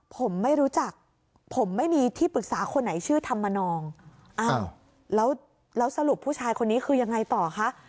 ผมไม่รู้จักผมไม่มีที่ปรึกษาคนไหนชื่อธรรมนองอ้าวแล้วสรุปผู้ชายคนนี้คือยังไงต่อคะ